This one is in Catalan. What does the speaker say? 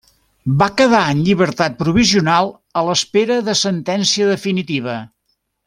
Va quedar en llibertat provisional a l'espera de sentència definitiva.